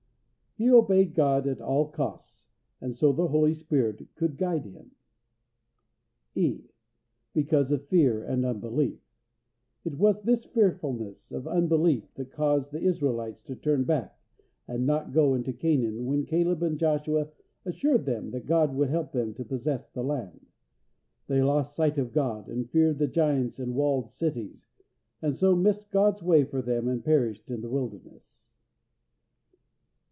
He obeyed God at all costs, and so the Holy Spirit could guide him. (e) Because of fear and unbelief. It was this fearfulness of unbelief that caused the Israelites to turn back, and not go into Canaan when Caleb and Joshua assured them that God would help them to possess the land. They lost sight of God, and feared the giants and walled cities, and so missed God's way for them and perished in the wilderness.